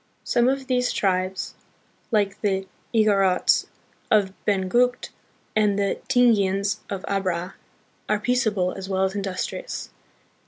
Some of these tribes, like the Igorots of Benguet and the Tingians of Abra, are peaceable as well as industrious.